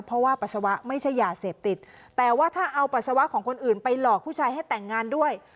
เพราะว่าปัสสาวะไม่ใช่ยาเสพติดแต่ว่าถ้าเอาปัสสาวะของคนอื่นไปหลอกผู้ชายให้แต่งงานด้วย